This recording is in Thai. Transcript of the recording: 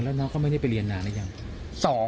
แล้วน้องเขาไม่ได้ไปเรียนนานหรือยัง